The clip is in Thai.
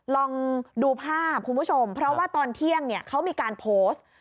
ลองดูภาพคุณผู้ชมเพราะว่าตอนเที่ยงเนี่ยเขามีการโพสต์